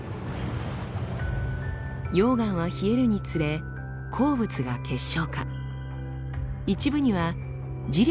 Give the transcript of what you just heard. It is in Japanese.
溶岩は冷えるにつれ鉱物が結晶化。